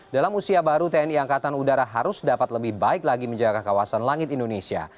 dalam usia baru tni angkatan udara harus dapat lebih baik lagi menjaga kawasan langit indonesia